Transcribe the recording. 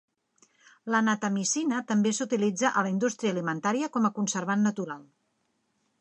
La natamicina també s'utilitza a la indústria alimentària com a conservant natural.